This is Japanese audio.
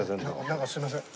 なんかすいません。